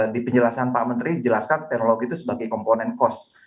di penjelasan pak menteri jelaskan teknologi itu sebagai komponen cost